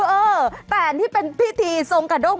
เออแต่อันนี้เป็นพิธีทรงกระด้ง